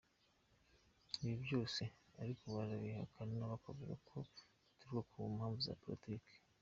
Ibi byose ariko barabihakana bakavuga ko bituruka ku mpamvu za politiki.